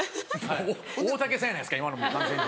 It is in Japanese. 大竹さんやないですか今の完全に。